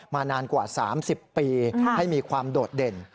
นานกว่า๓๐ปีให้มีความโดดเด่น